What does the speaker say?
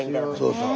そうそう。